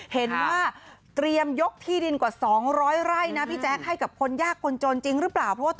เห็นว่าเตรียมยกที่ดินกว่า๒๐๐ไร่นะพี่แจ๊คให้กับคนยากคนจนจริงหรือเปล่า